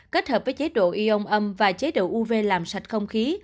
kết hợp với chế độ ion âm và chế độ uv làm sạch không khí